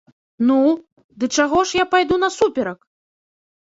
Ну, дык чаго ж я пайду насуперак?!